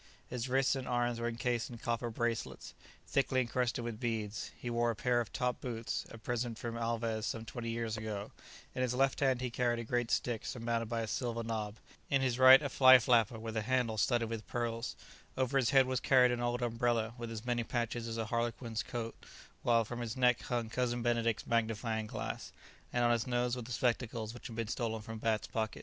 His wrists and arms were encased in copper bracelets, thickly encrusted with beads; he wore a pair of top boots, a present from Alvez some twenty years ago; in his left hand he carried a great stick surmounted by a silver knob; in his right a fly flapper with a handle studded with pearls; over his head was carried an old umbrella with as many patches as a Harlequin's coat, whilst from his neck hung Cousin Benedict's magnifying glass, and on his nose were the spectacles which had been stolen from Bat's pocket.